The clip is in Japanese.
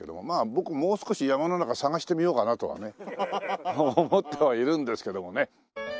まあ僕もう少し山の中探してみようかなとはね思ってはいるんですけどもね。